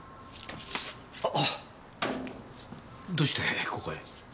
あどうしてここへ？